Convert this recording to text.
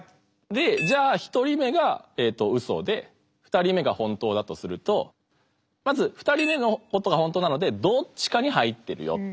じゃあ１人目がウソで２人目が本当だとするとまず２人目のことが本当なのでどっちかに入ってるよ。